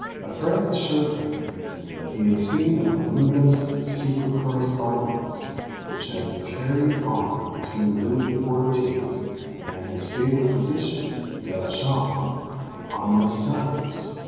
A friend assured him that he had seen a voluminous and secret correspondence which had been carried on between Louis XIV. and his favourite physician, De la Chambre, on this science.